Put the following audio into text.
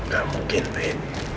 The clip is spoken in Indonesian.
gak mungkin bi